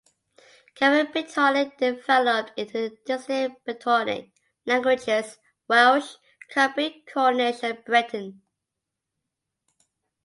Common Brittonic developed into the distinct Brittonic languages: Welsh, Cumbric, Cornish and Breton.